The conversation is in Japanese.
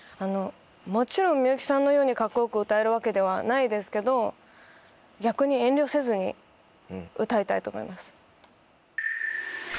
もちろんみゆきさんのようにカッコ良く歌えるわけではないですけど逆に遠慮せずに歌いたいと思います。